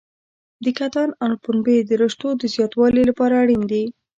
د کتان او پنبې د رشتو د زیاتوالي لپاره اړین دي.